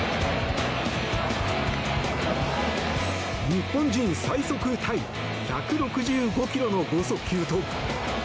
日本人最速タイ１６５キロの豪速球と。